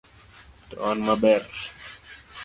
To wan maber